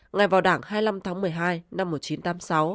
ngày vào đảng hai mươi năm tháng một mươi hai năm một nghìn chín trăm tám mươi sáu